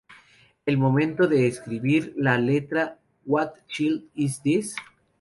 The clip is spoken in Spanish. En el momento de escribir la letra de "What Child is This?